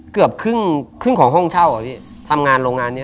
เกือบครึ่งของห้องเช่าทำงานโรงงานนี้